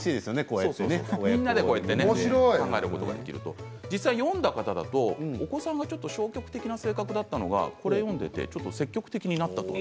みんなでこうやって考えることができる実際読んだ方のお子さんが消極的な性格だったのがこれを読んで積極的になったと。